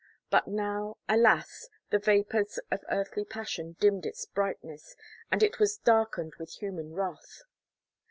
But now, alas! the vapours of earthly passion dimmed its brightness: and it was darkened with human wrath.